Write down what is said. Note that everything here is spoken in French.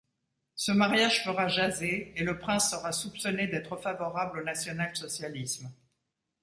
Ce mariage fera jaser et le prince sera soupçonné d'être favorable au national-socialisme.